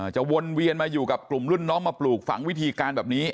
วนเวียนมาอยู่กับกลุ่มรุ่นน้องมาปลูกฝังวิธีการแบบนี้